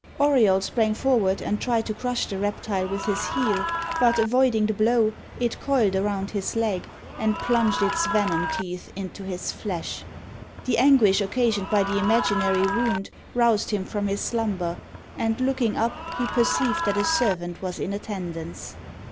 Auriol sprang forward and tried to crush the reptile with his heel; but, avoiding the blow, it coiled around his leg, and plunged its venom teeth into his flesh. The anguish occasioned by the imaginary wound roused him from his slumber, and looking up, he perceived that a servant was in attendance.